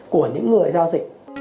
của những người giao dịch